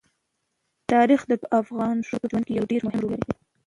تاریخ د ټولو افغان ښځو په ژوند کې یو ډېر مهم رول لري.